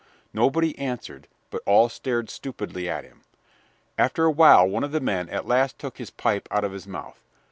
Nobody answered, but all stared stupidly at him. After a while one of the men at last took his pipe out of his mouth.